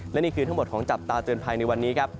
และนี่คือทั้งหมดของจับตาเตือนภัยในวันนี้ครับ